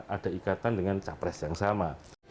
ada ikatan dengan capres yang sama